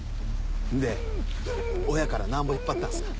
で親からなんぼ引っ張ったんすか？